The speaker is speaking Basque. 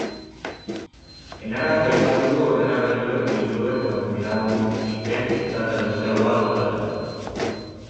Enarak aipatu du ordenagailuek liburuek baino iraungipen data luzeagoa daukatela.